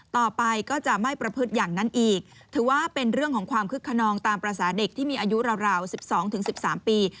ต่อไปก็จะไม่ประพฤติอย่างนั้นอีกถือว่าเป็นเรื่องของความคึกขนองตามภาษาเด็กที่มีอายุราว๑๒๑๓ปี